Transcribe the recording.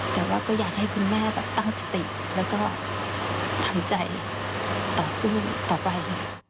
แต่ว่าก็อยากให้คุณแม่แบบตั้งสติแล้วก็ทำใจต่อสู้ต่อไป